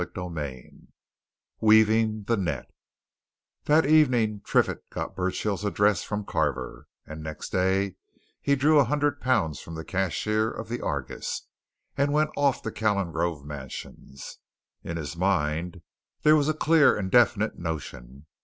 CHAPTER XIX WEAVING THE NET That evening Triffitt got Burchill's address from Carver, and next day he drew a hundred pounds from the cashier of the Argus and went off to Calengrove Mansions. In his mind there was a clear and definite notion.